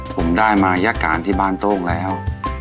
ผมได้มายการที่บ้านโต้งแล้ว